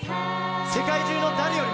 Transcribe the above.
世界中の誰よりも」